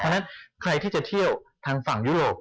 เพราะฉะนั้นใครที่จะเที่ยวทางฝั่งยุโรป